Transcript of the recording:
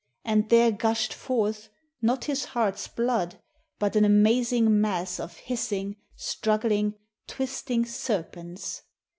And there gushed forth, not his heart's blood, but an amazing mass of hiss ing, struggling, twisting serpents.